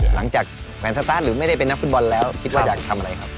หลังจากแขวนสตาร์ทหรือไม่ได้เป็นนักฟุตบอลแล้วคิดว่าอยากทำอะไรครับ